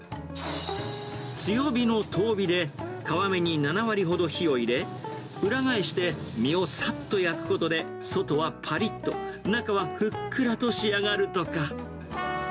強火の遠火で、皮目に７割ほど火を入れ、裏返して身をさっと焼くことで、外はぱりっと、中はふっくらと仕上がるとか。